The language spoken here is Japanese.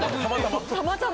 たまたま？